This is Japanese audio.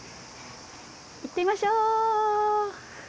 行ってみましょう。